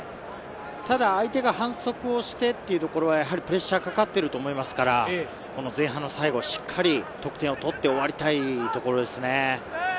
ただ相手が反則をしてというところはやはりプレッシャーがかかっていると思いますから、前半の最後、しっかり得点を取って終わりたいところですね。